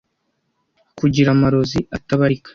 kugira amarozi atabarika